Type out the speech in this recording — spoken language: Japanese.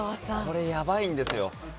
これやばいんですよ。